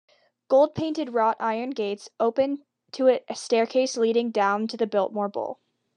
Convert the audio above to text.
Gold-painted wrought iron gates open to a staircase leading down to the Biltmore Bowl.